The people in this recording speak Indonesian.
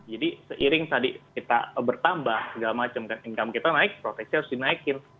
jadi seiring tadi kita bertambah segala macam kan income kita naik proteksi harus dinaikin